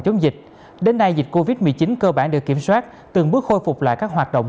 chống dịch đến nay dịch covid một mươi chín cơ bản được kiểm soát từng bước khôi phục lại các hoạt động